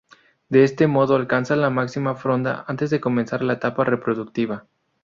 De este modo alcanza la máxima fronda antes de comenzar la etapa reproductiva.